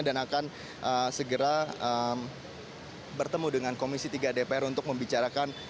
dan akan segera bertemu dengan komisi tiga dpr untuk membicarakan